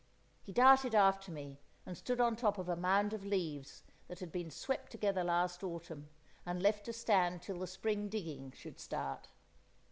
He darted after me, and stood on top of a mound of leaves that had been swept together last autumn, and left to stand till the spring digging should start.